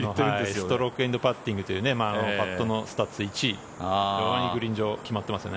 ストロークエンドパッティングというパットのスタッツ１位同じグリーン上決まっていますよね。